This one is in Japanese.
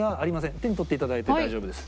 手に取っていただいて大丈夫です。